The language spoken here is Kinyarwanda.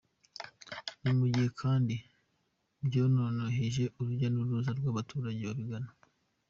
Ni mu gihe kandi byanoroheje urujya n’uruza rw’abaturage babigana.